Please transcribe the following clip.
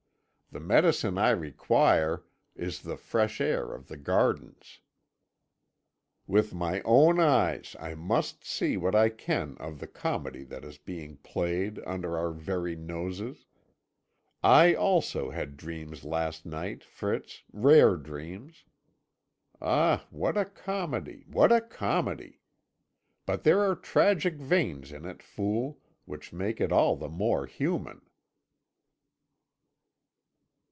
The medicine I require is the fresh air of the gardens. With my own eyes I must see what I can of the comedy that is being played under our very noses. I, also, had dreams last night, Fritz, rare dreams! Ah what a comedy, what a comedy! But there are tragic veins in it, fool, which make it all the more human."